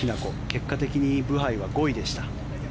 結果的にブハイは５位でした。